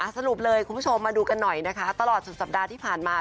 สรุปเลยคุณผู้ชมมาดูกันหน่อยนะคะตลอดสุดสัปดาห์ที่ผ่านมา